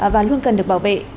và luôn cần được bảo vệ